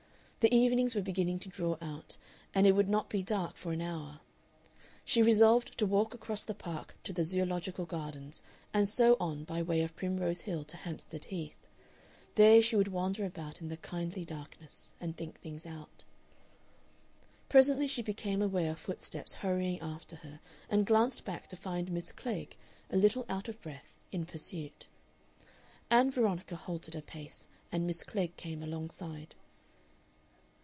The evenings were beginning to draw out, and it would not be dark for an hour. She resolved to walk across the Park to the Zoological gardens, and so on by way of Primrose Hill to Hampstead Heath. There she would wander about in the kindly darkness. And think things out.... Presently she became aware of footsteps hurrying after her, and glanced back to find Miss Klegg, a little out of breath, in pursuit. Ann Veronica halted a pace, and Miss Klegg came alongside.